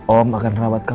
om akan rawat kamu